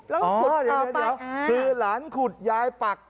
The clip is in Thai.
แล้วก็ขุดต่อไปอ๋อเดี๋ยวคือหลานขุดยายปัก